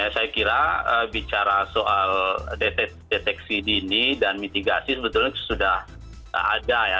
saya kira bicara soal deteksi dini dan mitigasi sebetulnya sudah ada ya